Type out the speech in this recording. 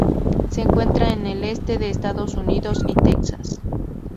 Se encuentra en el este de Estados Unidos y Texas.